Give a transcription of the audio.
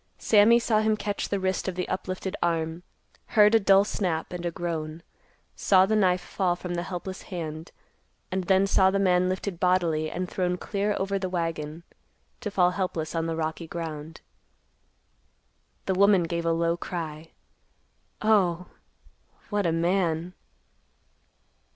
Sammy saw him catch the wrist of the uplifted arm, heard a dull snap and a groan, saw the knife fall from the helpless hand, and then saw the man lifted bodily and thrown clear over the wagon, to fall helpless on the rocky ground. The woman gave a low cry, "Oh, _what a man!"